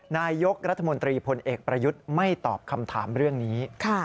นายกรัฐมนตรีพลเอกประยุทธ์ไม่ตอบคำถามเรื่องนี้